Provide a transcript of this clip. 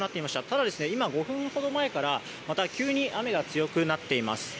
ただ、今５分ほど前からまた急に雨が強くなっています。